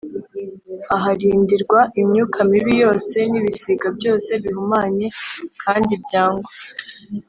aharindirwa imyuka mibi yose n’ibisiga byose bihumanye kandi byangwa.